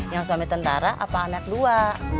yang suami tentara apa anak dua